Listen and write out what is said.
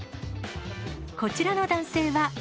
こちらの男性は。